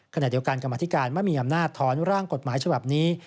ขณะเดียวกันกรรมธการไม่มีอำนาจท้อนร่างกฎหมายฉบับนี้